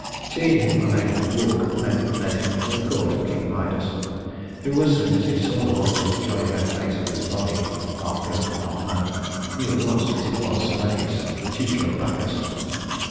Seeing him unable to walk the men led him to the court of King Midas who, as soon as he saw the wanderer's jolly red face and his body half goat and half man knew at once that it was Silenus, the tutor of Bacchus.